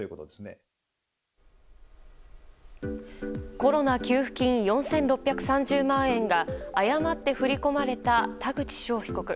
コロナ給付金４６３０万円が誤って振り込まれた田口翔被告。